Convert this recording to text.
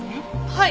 はい。